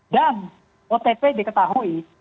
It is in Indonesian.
dan otp diketahui